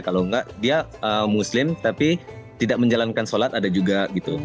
kalau nggak dia muslim tapi tidak menjalankan sholat ada juga gitu